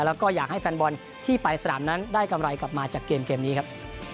แล้วก็อยากให้แฟนบอลที่ไปสนามนั้นได้กำไรกลับมาจากเกมนี้ครับ